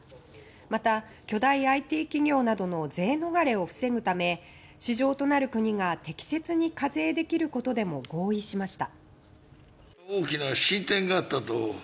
また巨大ＩＴ企業などの税逃れを防ぐため市場となる国が適切に課税できることでも合意しました。